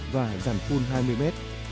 và giảm phun hai mươi m